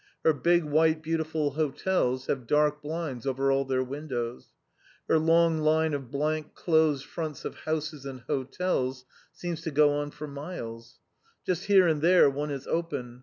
Her big, white, beautiful hotels have dark blinds over all their windows. Her long line of blank, closed fronts of houses and hotels seems to go on for miles. Just here and there one is open.